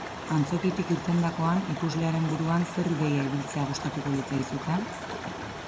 Antzokitik irtendakoan, ikuslearen buruan zer ideia ibiltzea gustatuko litzaizuke?